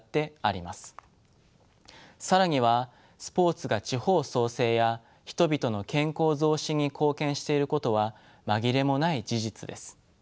更にはスポーツが地方創生や人々の健康増進に貢献していることは紛れもない事実です。